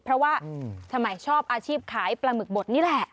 เพราะว่าสมัยชอบอาชีพขายปลาหมึกบดนี่แหละ